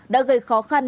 đã gây khó khăn